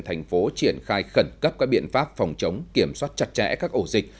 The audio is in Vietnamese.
thành phố triển khai khẩn cấp các biện pháp phòng chống kiểm soát chặt chẽ các ổ dịch